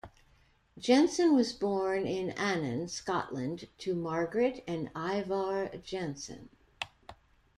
Jensen was born in Annan, Scotland to Margaret and Ivar Jensen.